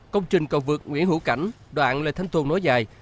công trình cầu vượt nguyễn hữu cảnh đoạn lên thanh tuồn nối dài